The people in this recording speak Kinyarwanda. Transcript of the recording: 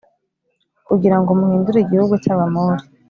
kugira ngo muhindūre igihugu cy’Abamori.